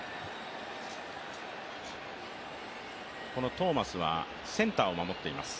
トーマスはセンターを守っています。